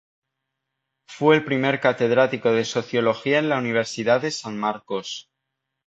Fue el primer catedrático de Sociología en la Universidad de San Marcos.